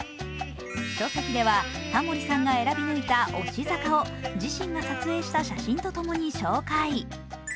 書籍ではタモリさんが選び抜いた推し坂を自身が撮影した写真と共に紹介。